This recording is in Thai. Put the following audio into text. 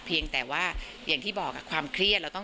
เพียงแต่ว่าอย่างที่บอกความเครียด